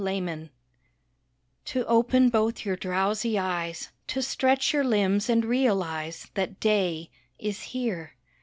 AWAKENING To open both your drowsy eyes, To stretch your limbs and realise That day is here.